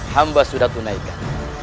hamba sudah tunaikan